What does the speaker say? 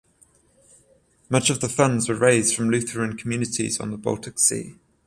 Much of the funds were raised from Lutheran communities on the Baltic Sea.